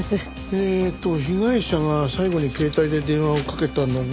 えーっと被害者が最後に携帯で電話をかけたのが１２時５分。